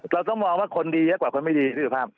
เราต้องมองว่าคนดีเยอะกว่าคนไม่ดีพี่สุภาพ